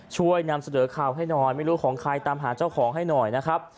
ช่วยนำเสนอข่าวให้หน่อยไม่รู้ของใครตามหาเจ้าของให้หน่อยนะครับ